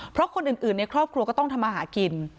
เพราะคนอื่นในครอบครัวก็ต้องทำมาหากิน